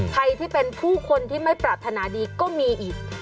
ใครที่เป็นผู้คนที่ไม่ปรารถนาดีก็มีอีก